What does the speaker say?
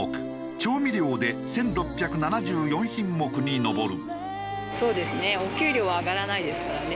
調味料で１６７４品目に上る。